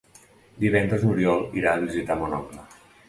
Divendres n'Oriol irà a visitar mon oncle.